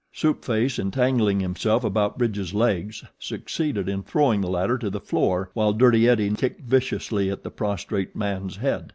Soup Face entangling himself about Bridge's legs succeeded in throwing the latter to the floor while Dirty Eddie kicked viciously at the prostrate man's head.